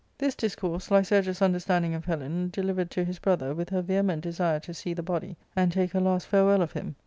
359 This discourse Lycurgus understanding of Helen, delivered to his brother, with her vehement desire to see the body, and take her last farewell of him.